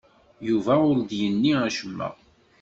Yuba ur d-yenni acemma.